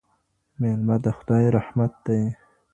ميلمه د خدای رحمت دی.